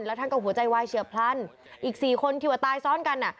แล้วท่านก็หัวใจวายเฉียบพลันอีก๔คนที่ว่าตายซ้อนกันอ่ะ